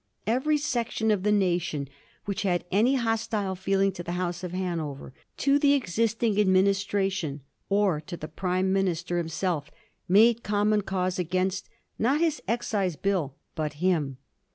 Every section of the nation which had any hostile feeling to the House of Hanover, to the existing administration, or to the Prime Minister himself, made common cause against, not his Excise Bill, but him.